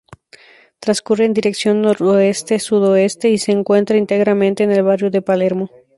Transcurre en dirección noreste-sudoeste y se encuentra íntegramente en el barrio de Palermo.